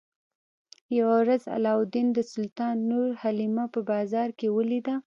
یوه ورځ علاوالدین د سلطان لور حلیمه په بازار کې ولیده.